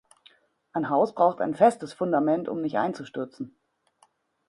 Ein Haus braucht ein festes Fundament, um nicht einzustürzen.